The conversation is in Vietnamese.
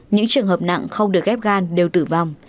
những trường hợp nặng không được ghép gan đều tử vong